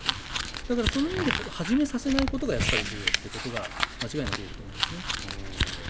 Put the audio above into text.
だからその意味で始めさせないことが重要ということが間違いなく言えると思います。